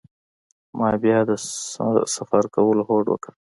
ما بیا د سفر کولو هوډ وکړ.